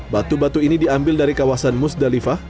batu batu ini diambil dari kawasan musdalifah